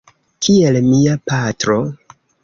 Kiel mia patro.